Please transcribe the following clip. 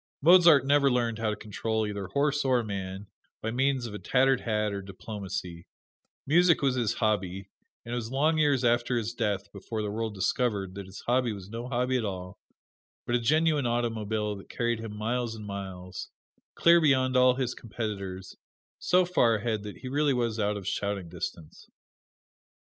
Mozart never learned how to control either horse or man by means of a tattered hat or diplomacy: music was his hobby, and it was long years after his death before the world discovered that his hobby was no hobby at all, but a genuine automobile that carried him miles and miles, clear beyond all his competitors: so far ahead that he was really out of shouting distance.